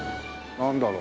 なんだろう？